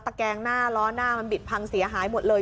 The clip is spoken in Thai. แกงหน้าล้อหน้ามันบิดพังเสียหายหมดเลย